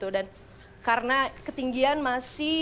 dan karena ketinggian masih